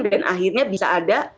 dan akhirnya bisa ada